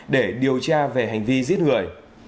để điều tra về hành vi giết người